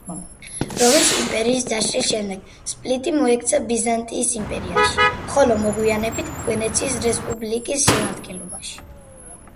რომის იმპერიის დაშლის შემდეგ სპლიტი მოექცა ბიზანტიის იმპერიაში, ხოლო მოგვიანებით ვენეციის რესპუბლიკის შემადგენლობაში.